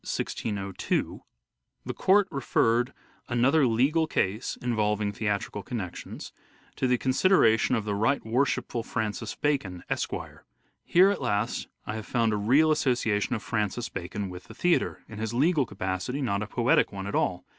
(1602) " The Court referred (another legal case involving theatrical connections) to the consideration of the right worshipful Francis Bacon, Esq Here at last I have found a real association of Francis Bacon with the Theatre .... in his legal capacity, not a poetic one at all.